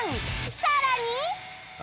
さらに